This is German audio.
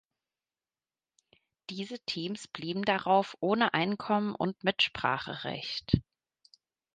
Diese Teams blieben darauf ohne Einkommen und Mitspracherecht.